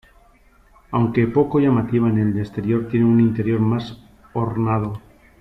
Aunque poco llamativa en el exterior, tiene un interior más ornado.